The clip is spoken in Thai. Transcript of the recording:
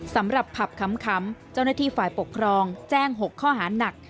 สำหรับผับขำเจ้าหน้าที่ฝ่ายปกครองแจ้ง๖ข้อหานัก